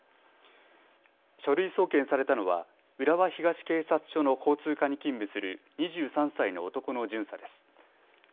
書類送検されたのは浦和東警察署の交通課に勤務する２３歳の男の巡査です。